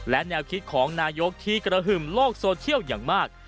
และแนวคิดของนายกที่กระหึ่มโลกโซเชียลอย่างมาก